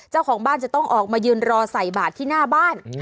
เจ้าของบ้านจะต้องออกมายืนรอใส่บาทที่หน้าบ้าน